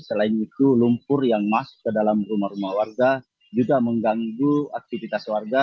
selain itu lumpur yang masuk ke dalam rumah rumah warga juga mengganggu aktivitas warga